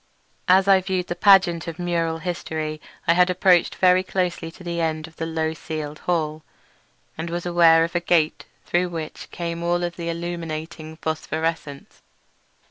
As I viewed the pageant of mural history I had approached very closely the end of the low ceiled hall, and was aware of a great gate through which came all of the illuminating phosphorescence.